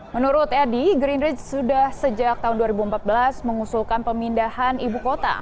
menurut edi gerindra sudah sejak tahun dua ribu empat belas mengusulkan pemindahan ibu kota